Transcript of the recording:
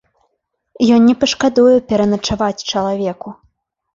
Ён не пашкадуе пераначаваць чалавеку.